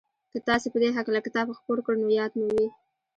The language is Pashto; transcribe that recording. که تاسې په دې هکله کتاب خپور کړ نو ياد مو وي.